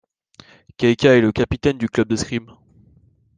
Keika est le capitaine du club d'escrime.